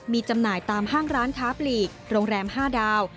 มีจำหน่ายตามห้างร้านค้าปลีกโรงแรม๕ดาว